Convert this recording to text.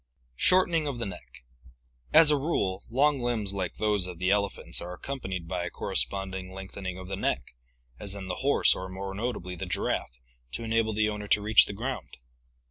Shortening of the Neck. — As a rule, long limbs like those of the elephants are accompanbd by a corresponding lengthening of the neck, as in the horse or more notably the giraffe, to enable the owner to reach the ground.